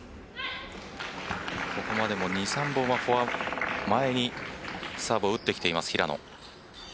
ここまでも２、３本はフォア前にサーブを打ってきています、平野。